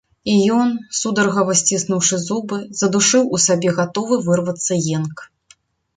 І ён, сударгава сціснуўшы зубы, задушыў у сабе гатовы вырвацца енк.